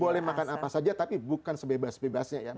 boleh makan apa saja tapi bukan sebebas bebasnya ya